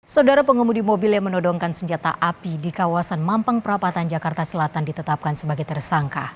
saudara pengemudi mobil yang menodongkan senjata api di kawasan mampang perapatan jakarta selatan ditetapkan sebagai tersangka